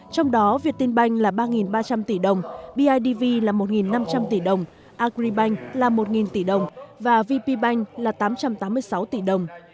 trong đó việt tinh banh là ba ba trăm linh tỷ đồng bidv là một năm trăm linh tỷ đồng agribank là một tỷ đồng và vp bank là tám trăm tám mươi sáu tỷ đồng